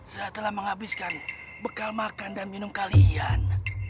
saya telah menghabiskan bekal makan dan minum kalian